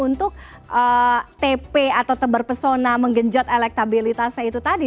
untuk tp atau tebar pesona menggenjot elektabilitasnya itu tadi